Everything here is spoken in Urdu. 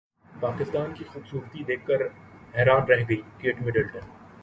پاکستان کی خوبصورتی دیکھ کر حیران رہ گئی کیٹ مڈلٹن